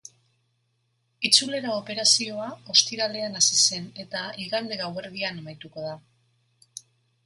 Itzulera operazioa ostiralean hasi zen eta igande gauerdian amaituko da.